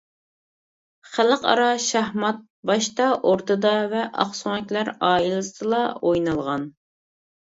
خەلقئارا شاھمات باشتا ئوردىدا ۋە ئاقسۆڭەكلەر ئائىلىسىدىلا ئوينالغان.